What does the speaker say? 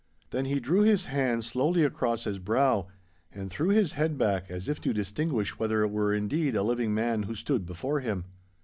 Then he drew his hand slowly across his brow, and threw his head back as if to distinguish whether it were indeed a living man who stood before him.